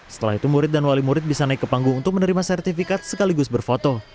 setelah itu murid dan wali murid bisa naik ke panggung untuk menerima sertifikat sekaligus berfoto